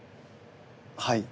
はい。